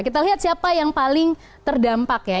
kita lihat siapa yang paling terdampak ya